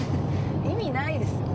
意味ないですよね？